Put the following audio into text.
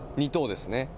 「２等ですね」